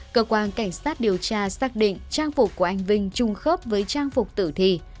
cơ quan cảnh sát điều tra xác định trang phục của anh vinh chung khớp với trang phục tử thi